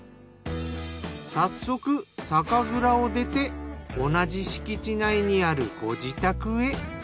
早速酒蔵を出て同じ敷地内にあるご自宅へ。